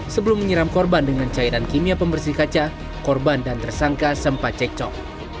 sebelum menyiram korban dengan cairan kimia pembersih kaca korban dan tersangka sempat cekcok